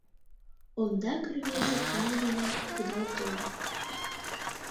Ондак рвезе кран дене кудал тольо.